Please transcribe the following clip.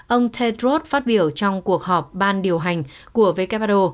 ông tedros phát biểu trong cuộc họp ban điều hành của who